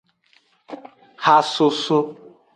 Hasoso.